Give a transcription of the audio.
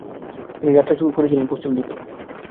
তিনি যাত্রা করেছিলেন পশ্চিম দিকে।